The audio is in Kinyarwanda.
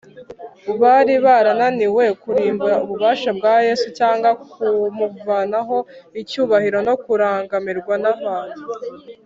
Bari barananiwe kurimbura ububasha bwa Yesu cyangwa kumuvanaho icyubahiro no kurangamirwa n’abantu